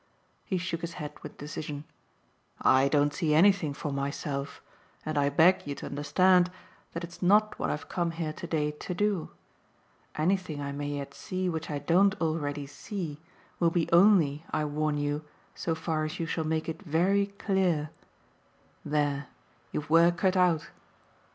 He shook his head with decision. "I don't see anything for myself, and I beg you to understand that it's not what I've come here to day to do. Anything I may yet see which I don't already see will be only, I warn you, so far as you shall make it very clear. There you've work cut out.